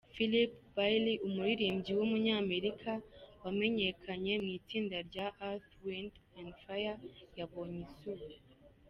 Philip Bailey, umuririmbyi w’umunyamerika wamenyekanye mu itsinda rya Earth, Wind & Fire yabonye izuba.